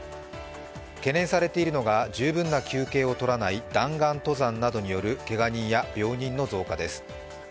懸念されているのが、十分な休憩を取らない弾丸登山などによるけが人や病人の増加です。